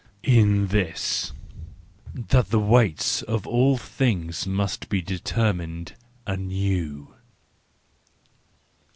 —In this: That the weights of all things must be determined anew.